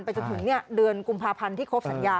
จนถึงเดือนกุมภาพันธ์ที่ครบสัญญา